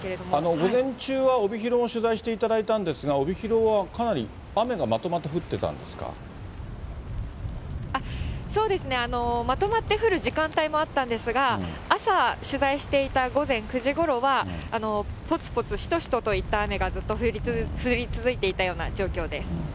午前中は帯広を取材していただいたんですが、帯広はかなり雨そうですね、まとまって降る時間帯もあったんですが、朝、取材していた午前９時ごろは、ぽつぽつ、しとしとといった雨がずっと降り続いていたような状況です。